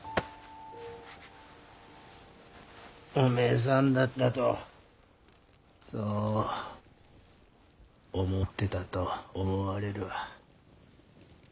おめえさんだったとそう思ってたと思われるわ。